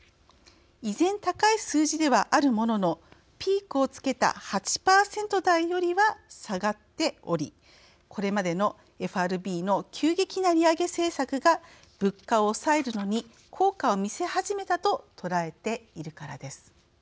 依然、高い数字ではあるもののピークをつけた８％台よりは下がっておりこれまでのＦＲＢの急激な利上げ政策が物価を抑えるのに効果を見せ始めたと捉えているからです。